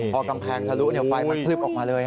พอกำแพงทะลุไฟมันพลึบออกมาเลย